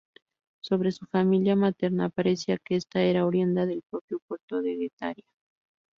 Sobre su familia materna, parece que esta era oriunda del propio puerto de Guetaria.